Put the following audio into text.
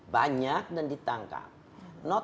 banyak dan ditangkap